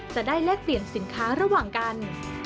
แลกเปลี่ยนสินค้าระหว่างกัน